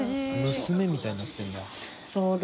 娘みたいになってるんだ。